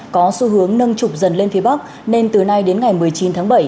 có xu hướng nâng trục dần lên phía bắc nên từ nay đến ngày một mươi chín tháng bảy